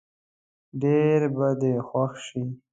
ډېر به دې خوښ شي.